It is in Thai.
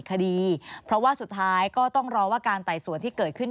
คดีเพราะว่าสุดท้ายก็ต้องรอว่าการไต่สวนที่เกิดขึ้น